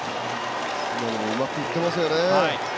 うまく打ってますよね。